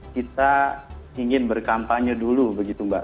kita ingin berkampanye dulu begitu mbak